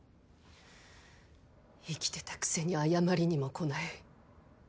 生きてたくせに謝りにも来ない。